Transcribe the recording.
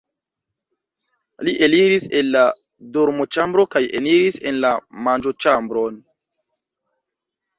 Li eliris el la dormoĉambro kaj eniris en la manĝoĉambron.